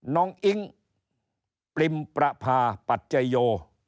อิ๊งปริมประพาปัจจโย